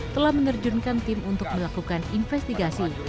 telah menerjunkan tim untuk melakukan investigasi